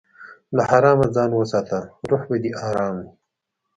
له حرامه ځان وساته، روح به دې ارام وي.